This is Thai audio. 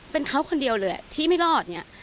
เป็นเขาคนเดียวเลยที่ไม่รอดเนี่ย